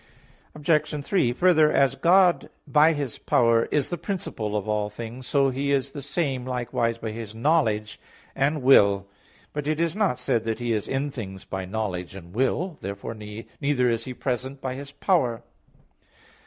Obj. 3: Further, as God by His power is the principle of all things, so He is the same likewise by His knowledge and will. But it is not said that He is in things by knowledge and will. Therefore neither is He present by His power.